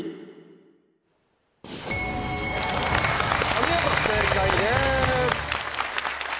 お見事正解です。